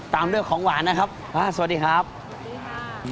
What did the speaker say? ตามด้วยของหวานนะครับอ่าสวัสดีครับสวัสดีครับ